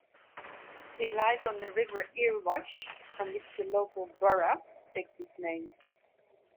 It lies on the River Erewash, from which the local borough takes its name.